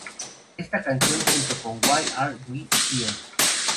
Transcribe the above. Esta canción junto con ""Why Are We Here?